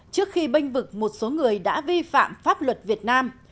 trước khi bênh vực một số người đã vi phạm pháp luật việt nam